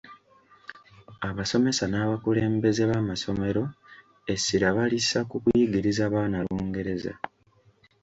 Abasomesa n’abakulembeze b’amasomero essira balissa ku kuyigiriza baana Lungereza.